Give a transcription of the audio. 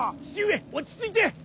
父上落ち着いて。